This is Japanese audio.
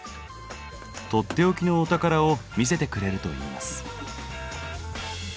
取って置きのお宝を見せてくれるといいます。